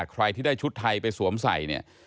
ใครที่ได้ชุดไทยไปสวมใส่เนี่ย